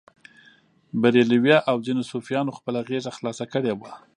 بریلویه او ځینو صوفیانو خپله غېږه خلاصه کړې وه.